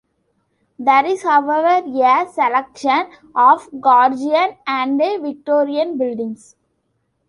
There is, however, a selection of Georgian and Victorian buildings.